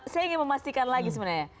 saya ingin memastikan lagi sebenarnya